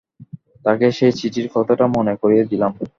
তাকে সেই চিঠির কথাটা মনে করিয়ে দিলাম।